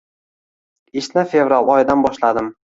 Ishni fevral oyidan boshladim.